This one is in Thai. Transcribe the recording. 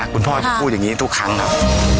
คุณพ่อจะพูดอย่างนี้ทุกครั้งครับ